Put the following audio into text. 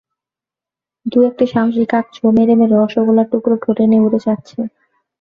দু-একটা সাহসী কাক ছোঁ মেরে মেরে রসগোল্লার টুকরা ঠোঁটে নিয়ে উড়ে যাচ্ছে।